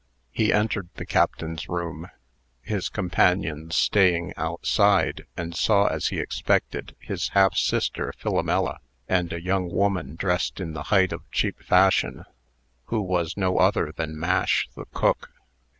He entered the captain's room his companions staying outside and saw, as he expected, his half sister Philomela, and a young woman dressed in the height of cheap fashion, who was no other than Mash, the cook.